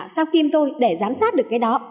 sau kim tôi để giám sát được cái đó